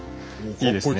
いいですね。